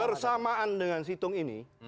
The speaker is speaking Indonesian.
bersamaan dengan situng ini